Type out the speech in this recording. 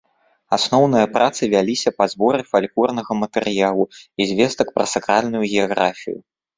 Асноўныя працы вяліся па зборы фальклорнага матэрыялу і звестак пра сакральную геаграфію.